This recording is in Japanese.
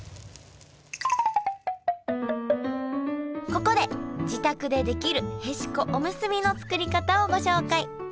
ここで自宅でできるへしこおむすびの作り方をご紹介。